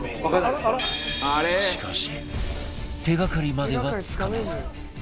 しかし手がかりまではつかめず